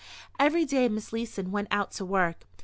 Every day Miss Leeson went out to work.